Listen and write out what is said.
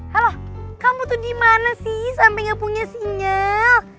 halo kamu tuh dimana sih sampe gak punya sinyal